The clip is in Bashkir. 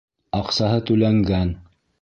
Аҡсаһы түләнгән!